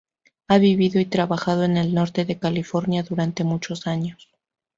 Ha vivido y trabajado en el norte de California durante muchos años.